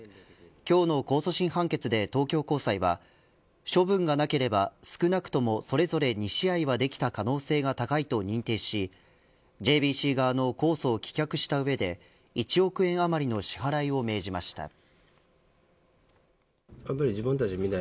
今日の控訴審判決で東京高裁は処分がなければ、少なくともそれぞれ２試合はできた可能性が高いと認定しＪＢＣ側の控訴を棄却した上で１億円あまりの支払いを命じました。